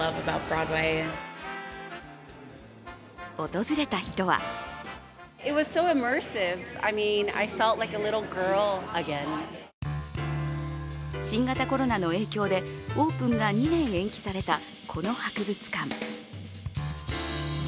訪れた人は新型コロナの影響でオープンが２年延期されたこの博物館。